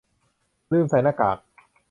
ลืมใส่หน้ากาก